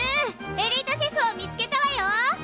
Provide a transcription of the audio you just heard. エリートシェフを見つけたわよ！